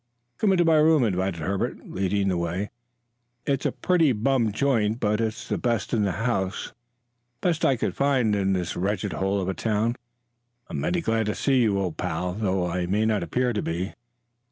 "Come into my room," invited Herbert, leading the way. "It's a pretty bum joint, but it's the best in the house the best I could find in this wretched hole of a town. I'm mighty glad to see you, old pal, though I may not appear to be.